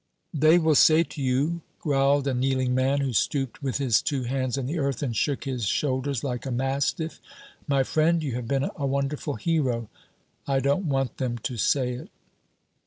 "They will say to you," growled a kneeling man who stooped with his two hands in the earth and shook his shoulders like a mastiff, 'My friend, you have been a wonderful hero!' I don't want them to say it!